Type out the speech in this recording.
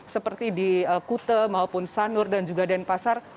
seperti di kute maupun sanur dan juga denpasar